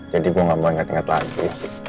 jadi gue gak mau inget inget lagi